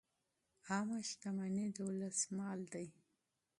عامه شتمني د ولس مال دی.